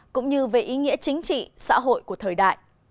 cũng như về ý nghĩa chính trị xã hội của thời đại